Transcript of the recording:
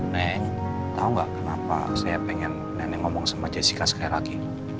neng tahu nggak kenapa saya pengen nenek ngomong sama jessica sekali lagi